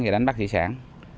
và đánh bắt thị sản